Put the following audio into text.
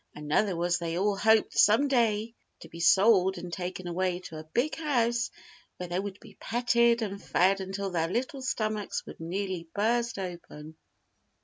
Another was they all hoped some day to be sold and taken away to a big house where they would be petted and fed until their little stomachs would nearly burst open.